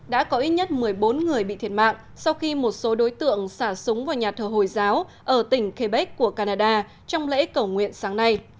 đã có ít nhất một mươi bốn người bị thiệt mạng sau khi một số đối tượng xả súng vào nhà thờ hồi giáo ở tỉnh quebec của canada trong lễ cầu nguyện sáng nay